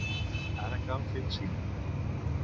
Ara cal fer el cim.